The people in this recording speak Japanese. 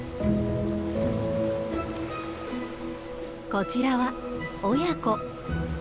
こちらは親子。